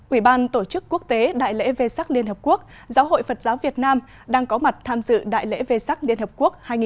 ủy ban tổ chức quốc tế đại lễ vê sắc liên hợp quốc giáo hội phật giáo việt nam đang có mặt tham dự đại lễ vê sắc liên hợp quốc hai nghìn một mươi chín